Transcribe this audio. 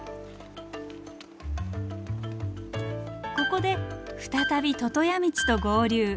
ここで再び魚屋道と合流。